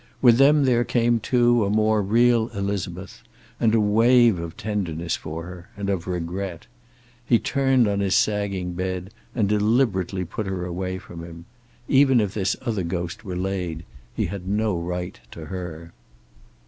With them there came, too, a more real Elizabeth, and a wave of tenderness for her, and of regret. He turned on his sagging bed, and deliberately put her away from him. Even if this other ghost were laid, he had no right to her.